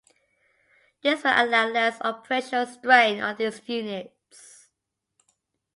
This will allow less operational strain on these units.